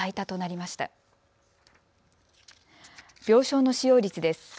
病床の使用率です。